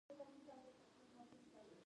مینه د خدای ج او رسول ښه ده.